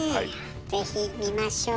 ぜひ見ましょう。